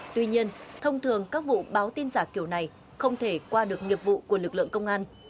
tuy nhiên thông thường các vụ báo tin giả kiểu này không thể qua được nghiệp vụ của lực lượng công an